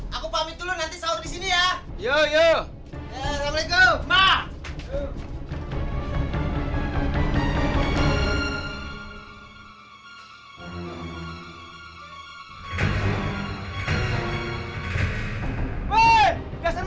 mbah aku pamit dulu nanti disini ya yoyoyo